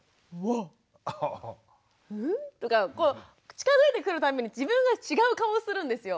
近づいてくるたんびに自分が違う顔をするんですよ。